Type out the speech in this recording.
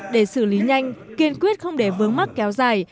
để xử lý nhanh kiên quyết không để vướng mắc kéo dài